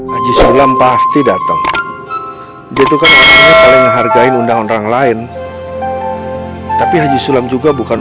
haji sulam pasti datang gitu kan paling hargain undang orang lain tapi haji sulam juga bukan